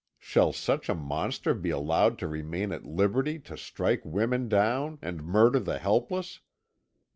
Shall such a monster be allowed to remain at liberty to strike women down and murder the helpless?